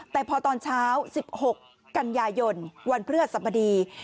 แต่พอตอนเช้า๑๖กันยายนวันพฤหัสบดี